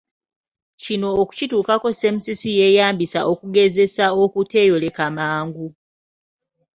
Kino okukituukako Semusisi yeeyambisa okugezesa okuteeyoleka mangu.